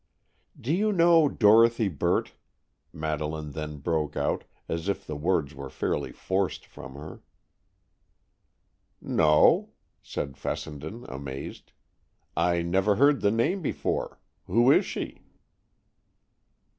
"Do you know Dorothy Burt?" Madeleine then broke out, as if the words were fairly forced from her. "No," said Fessenden, amazed; "I never heard the name before. Who is she?"